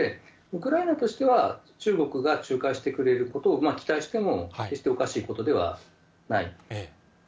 ウクライナとしては、中国が仲介してくれることを期待しても、決しておかしいことではない。